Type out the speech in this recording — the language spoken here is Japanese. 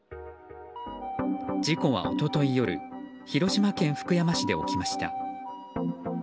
事故は一昨日夜広島県福山市で起きました。